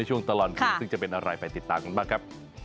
จังหวัดสุราธานีค่ะ